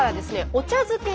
お茶漬け！？